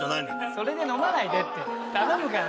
それで飲まないでって頼むから。